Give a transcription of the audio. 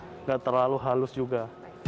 tidak terlalu halus juga